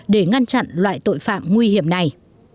để ngăn chặn loại tội phạm nguy hiểm này